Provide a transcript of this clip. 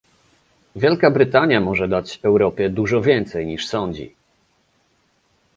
Wielka Brytania może dać Europie dużo więcej, niż sądzi